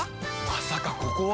まさかここは！？